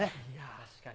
確かに。